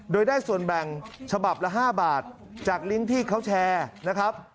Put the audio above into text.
โดยได้ส่วนแบ่งฉบับละ๕บาทจากลิงก์ที่เขาแชร์นะครับ